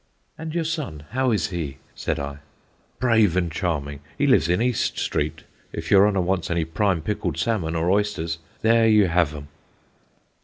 'And your son, how is he'? said I. 'Brave and charming; he lives in East Street; if your honour wants any prime pickled salmon, or oysters, there you have 'em.'"